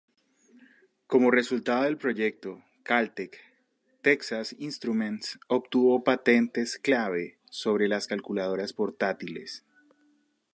Como resultado del proyecto "Cal-Tech" Texas Instruments obtuvo patentes clave sobre las calculadoras portátiles.